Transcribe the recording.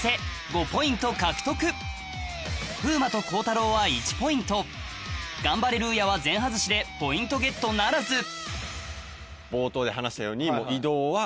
５ポイント獲得風磨と鋼太郎は１ポイントガンバレルーヤは全外しでポイントゲットならず冒頭で話したように。